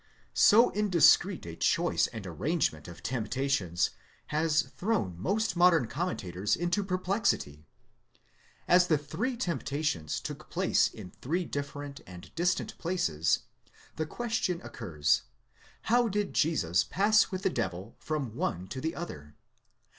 So indiscreet a choice and arrangement of temptations has thrown most modern commentators into perplexity. As the three temptations took place in three different and distant places, the question occurs: how did Jesus pass with the devil from one to the other?